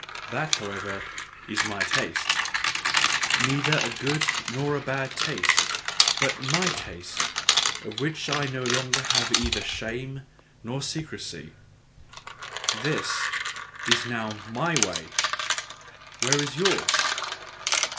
That, however, is my taste: Neither a good nor a bad taste, but MY taste, of which I have no longer either shame or secrecy. "This is now MY way, where is yours?"